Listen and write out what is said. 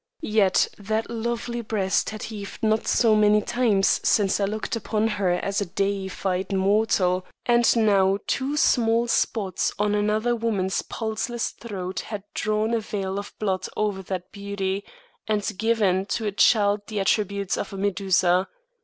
Yet that lovely breast had heaved not so many times since I looked upon her as a deified mortal, and now two small spots on another woman's pulseless throat had drawn a veil of blood over that beauty, and given to a child the attributes of a Medusa.